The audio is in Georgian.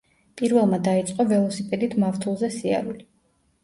პირველმა დაიწყო ველოსიპედით მავთულზე სიარული.